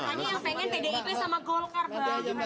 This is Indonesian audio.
hanya yang pengen pdip sama golkar bang